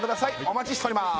お待ちしております